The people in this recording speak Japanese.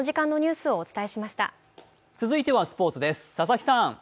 続いてはスポーツです。